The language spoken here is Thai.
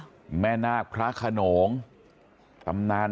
สวัสดีครับคุณผู้ชาย